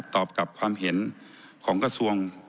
ตอบกับความเห็นของกระทรวง